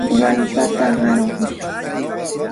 Wallpata qarquy.